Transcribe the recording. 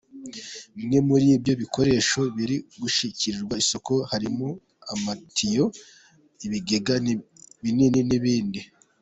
Bimwe muri ibyo bikoresho biri gushakirwa isoko harimo amatiyo, ibigega binini n’ibindi.